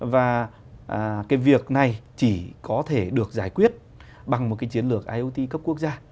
và cái việc này chỉ có thể được giải quyết bằng một cái chiến lược iot cấp quốc gia